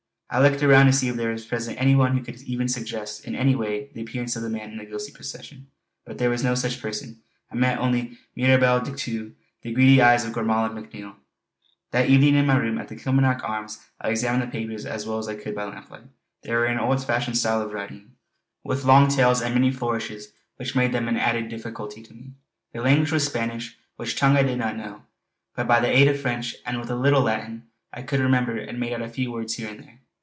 I looked around to see if there was present any one who could even suggest in any way the appearance of the man in the ghostly procession. But there was no such person. I met only mirabile dictu, the greedy eyes of Gormala MacNiel. That evening in my room at the Kilmarnock Arms, I examined the papers as well as I could by lamplight. They were in an old fashioned style of writing with long tails and many flourishes which made an added difficulty to me. The language was Spanish, which tongue I did not know; but by aid of French and what little Latin I could remember I made out a few words here and there.